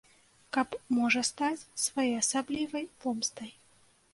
Каб можа стаць своеасаблівай помстай.